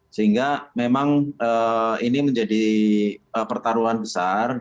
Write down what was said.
sehingga memang ini menjadi pertaruhan besar